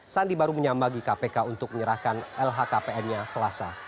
sandi baru menyambangi kpk untuk menyerahkan lhkpn nya selasa